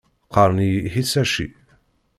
Qqaren-iyi Hisashi.